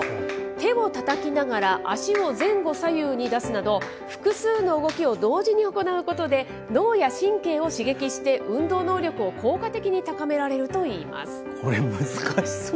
手をたたきながら足を前後左右に出すなど、複数の動きを同時に行うことで、脳や神経を刺激して、運動能力を効果的に高められるといいます。